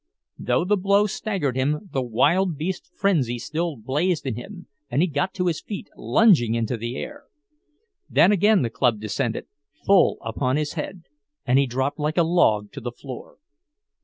Though the blow staggered him, the wild beast frenzy still blazed in him, and he got to his feet, lunging into the air. Then again the club descended, full upon his head, and he dropped like a log to the floor.